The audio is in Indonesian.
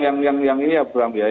itu yang yang ini ya berambil